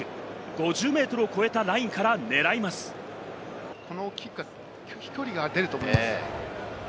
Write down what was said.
５０メートルを超えたラインからこのキックは飛距離が出ると思います。